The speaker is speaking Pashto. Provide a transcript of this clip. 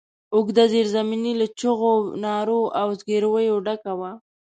اوږده زېرزميني له چيغو، نارو او زګرويو ډکه وه.